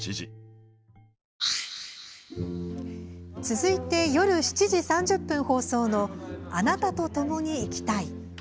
続いて夜７時３０分放送の「あなたと共に生きたい」。